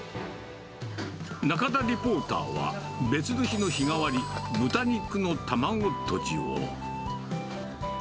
中田リポーターは、別の日の日替わり、豚肉の卵とじを。